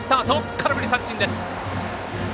空振り三振です。